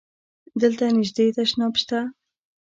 دلته نژدی تشناب شته؟